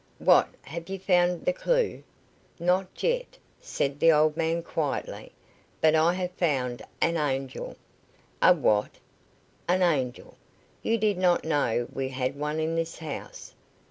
"What, have you found the clue?" "Not yet," said the old man, quietly; "but I have found an angel." "A what?" "An angel. You did not know we had one in this house."